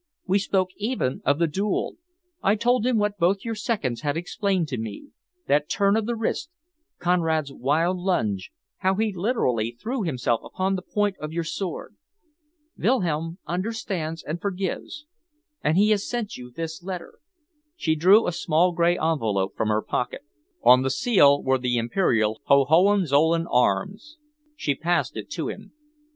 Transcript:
We spoke even of the duel. I told him what both your seconds had explained to me, that turn of the wrist, Conrad's wild lunge, how he literally threw himself upon the point of your sword. Wilhelm understands and forgives, and he has sent you this letter." She drew a small grey envelope from her pocket. On the seal were the Imperial Hohenzollern arms. She passed it to him.